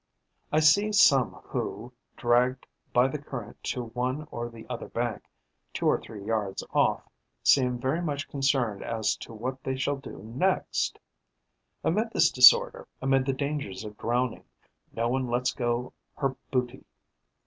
I see some who, dragged by the current to one or the other bank, two or three yards off, seem very much concerned as to what they shall do next. Amid this disorder, amid the dangers of drowning, not one lets go her booty.